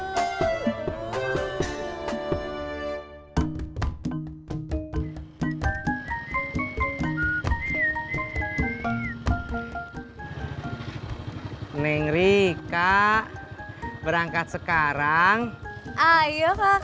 menengri kak berangkat sekarang ayo kakak